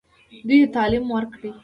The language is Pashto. دوی ته تعلیم ورکړئ